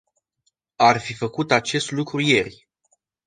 Ar fi făcut acest lucru ieri.